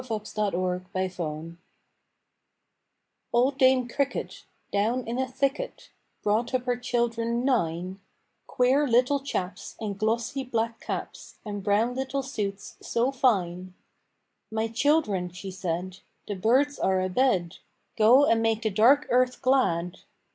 OLD DAME CRICKET Old Dame Cricket, down in a thicket, Brought up her children nine, Queer little chaps, in glossy black caps And brown little suits so fine. "My children," she said, "The birds are abed: Go and make the dark earth glad!